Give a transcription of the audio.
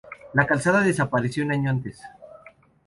La Calzada desaparecido un año antes.